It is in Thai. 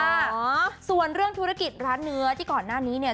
อ๋อส่วนเรื่องธุรกิจร้านเนื้อที่ก่อนหน้านี้เนี่ย